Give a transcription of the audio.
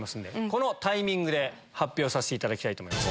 このタイミングで発表させていただきます。